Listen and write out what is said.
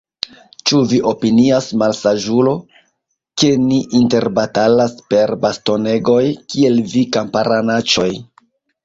Ĉu vi opinias, malsaĝulo, ke ni interbatalas per bastonegoj, kiel vi, kamparanaĉoj?